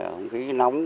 hông khí nóng